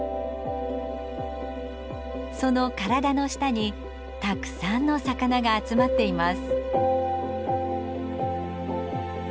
その体の下にたくさんの魚が集まっています。